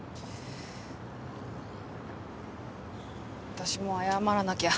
私も謝らなきゃ。